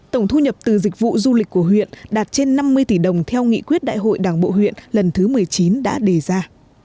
tổng thu nhập từ dịch vụ du lịch của huyện đạt trên năm mươi tỷ đồng theo nghị quyết đại hội đảng bộ huyện lần thứ một mươi chín đã đề ra